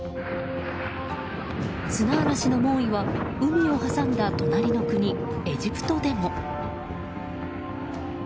砂嵐の猛威は海を挟んだ隣の国エジプトでも。